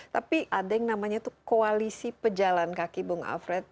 tapi ada yang namanya itu koalisi pejalan kaki bung alfred